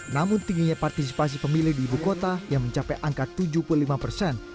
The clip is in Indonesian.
namun tingginya partisipasi pemilih di ibu kota yang mencapai angka tujuh puluh lima persen